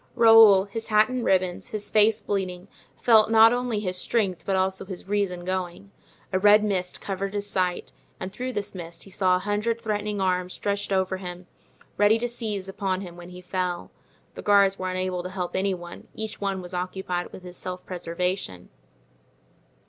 Raoul, his hat in ribbons, his face bleeding, felt not only his strength but also his reason going; a red mist covered his sight, and through this mist he saw a hundred threatening arms stretched over him, ready to seize upon him when he fell. The guards were unable to help any one—each one was occupied with his self preservation.